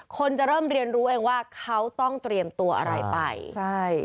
คนจะเริ่มเรียนรู้เองว่าเขาต้องเตรียมตัวอะไรไปใช่